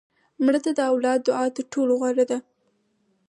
مړه ته د اولاد دعا تر ټولو غوره ده